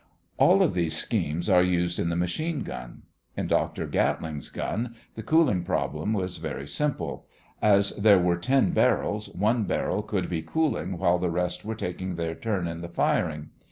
All of these schemes are used in the machine gun. In Dr. Gatling's gun the cooling problem was very simple. As there were ten barrels, one barrel could be cooling while the rest were taking their turn in the firing.